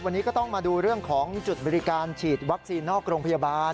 วันนี้ก็ต้องมาดูเรื่องของจุดบริการฉีดวัคซีนนอกโรงพยาบาล